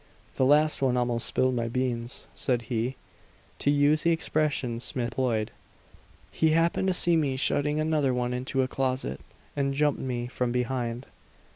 "The last one almost spilled my beans," said he to use the expression Smith employed. "He happened to see me shutting another one into a closet, and jumped me from behind.